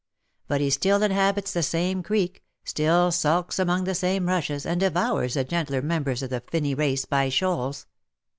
But he still inhabits the same creek, still sulks among the same rushes, and devours the gentler members of the finny race by shoals.